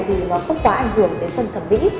thì nó không quá ảnh hưởng đến phần thẩm mỹ